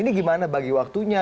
ini gimana bagi waktunya